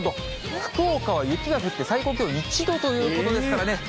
福岡は雪が降って、最高気温１度ということですからね。